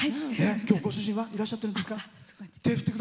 今日ご主人はいらっしゃってますか。